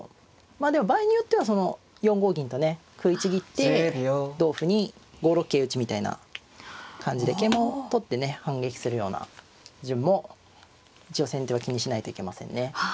まあでも場合によっては４五銀とね食いちぎって同歩に５六桂打みたいな感じで桂馬を取ってね反撃するような順も一応先手は気にしないといけませんね。